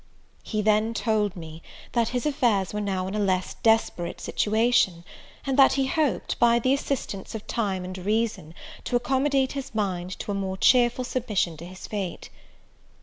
He then told me, that his affairs were now in a less desperate situation; and that he hoped, by the assistance of time and reason, to accommodate his mind to a more cheerful submission to his fate.